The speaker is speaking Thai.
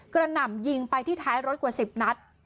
หน่ำยิงไปที่ท้ายรถกว่า๑๐นัด